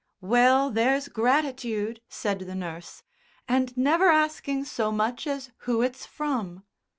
"Well, there's gratitude," said the nurse, "and never asking so much as who it's from."